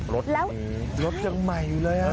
รถรถจังใหม่อยู่เลยอะ